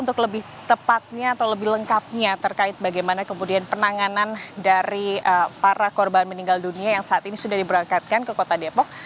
untuk lebih tepatnya atau lebih lengkapnya terkait bagaimana kemudian penanganan dari para korban meninggal dunia yang saat ini sudah diberangkatkan ke kota depok